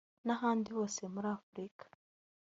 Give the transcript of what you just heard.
n ahandi hose muri afurika